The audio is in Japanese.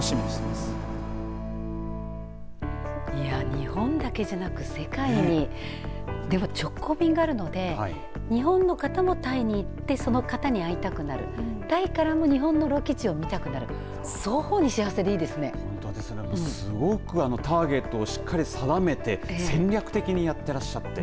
日本だけじゃなく世界にでも、直行便があるので日本の方もタイに行ってその方に会いたくなるタイからも日本のロケ地を見たくなる本当ですね、すごくターゲットをしっかり定めて戦略的にやっていらっしゃって。